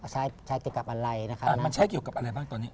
ใช้ใช้เกี่ยวกับอะไรนะครับมันใช้เกี่ยวกับอะไรบ้างตอนนี้